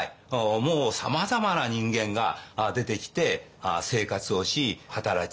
もうさまざまな人間が出てきて生活をし働き